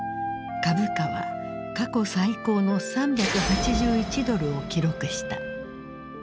株価は過去最高の３８１ドルを記録した。